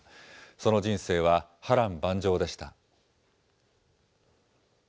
その人生は、波乱万丈でした。